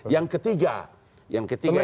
yang ketiga yang ketiga